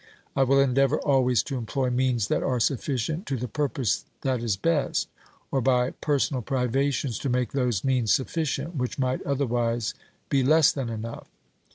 I will endeavour always to employ means that are sufficient to the purpose that is best, or, by personal privations, to make those means sufficient which might otherwise be less than enough.